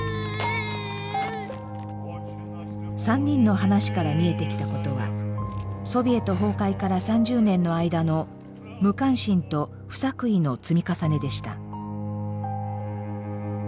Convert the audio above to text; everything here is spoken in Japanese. ３人の話から見えてきたことはソビエト崩壊から３０年の間の無関心と不作為の積み重ねでした。